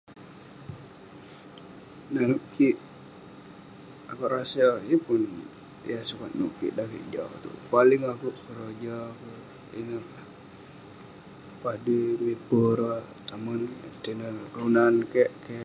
Nanouk kik...akouk rasa, yeng pun inouk yah sukat nouk kik dan langit jau itouk..paling dak ,akouk keroja ka, inouk eh..,padui mipe ireh tamen, tinen, kelunan kik, keh...